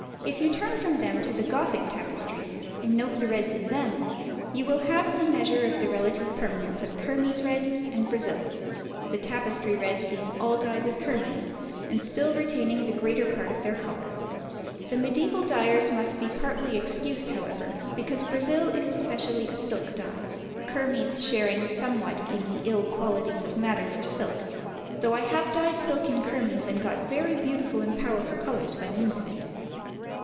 If you turn from them to the Gothic tapestries, and note the reds in them, you will have the measure of the relative permanence of kermes and "Brazil," the tapestry reds being all dyed with kermes, and still retaining the greater part of their colour. The mediæval dyers must be partly excused, however, because "Brazil" is especially a silk dye, kermes sharing somewhat in the ill qualities of madder for silk; though I have dyed silk in kermes and got very beautiful and powerful colours by means of it.